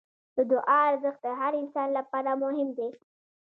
د دعا ارزښت د هر انسان لپاره مهم دی.